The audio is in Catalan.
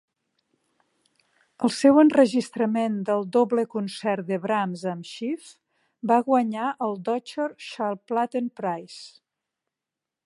El seu enregistrament del Doble concert de Brahms amb Schiff va guanyar el Deutscher Schallplattenpreis.